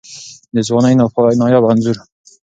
د ځوانۍ نایابه انځور